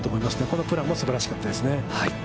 このプランもすばらしかったですね。